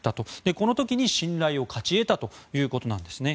この時に信頼を勝ち得たということなんですね。